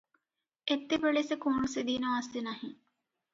ଏତେବେଳେ ସେ କୌଣସି ଦିନ ଆସେ ନାହିଁ ।